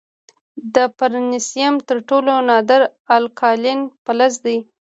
د فرنسیم تر ټولو نادر الکالین فلز دی.